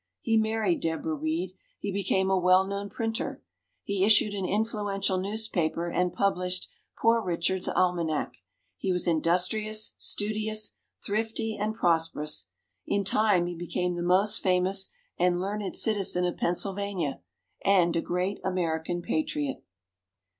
He married Deborah Read. He became a well known printer. He issued an influential newspaper, and published "Poor Richard's Almanack." He was industrious, studious, thrifty, and prosperous. In time, he became the most famous and learned citizen of Pennsylvania, and a great American Patriot.